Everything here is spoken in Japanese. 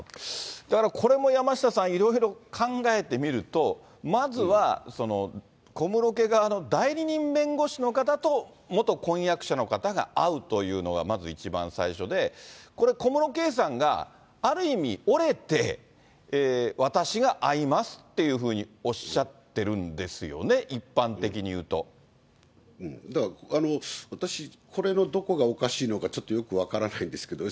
だから、これも山下さん、いろいろ考えてみると、まずは小室家側の代理人弁護士の方と元婚約者の方が会うというのがまず一番最初で、小室圭さんが、ある意味、折れて私が会いますっていうふうにおっしゃってるんですよね、一だから、私、これのどこがおかしいのか、ちょっとよく分からないんですけどね。